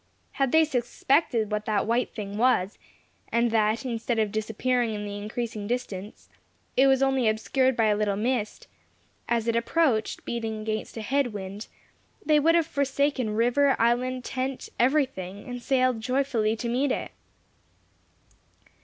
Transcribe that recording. Had they suspected what that white thing was, and that instead of disappearing in the increasing distance, it was only obscured by a little mist, as it approached, beating against a head wind, they would have forsaken river, island, tent, everything, and sailed joyfully to meet it.